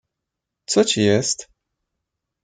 "co ci jest?"